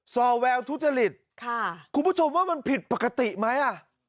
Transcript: ซอแววทุจริตค่ะคุณผู้ชมว่ามันผิดปกติไหมอ่ะ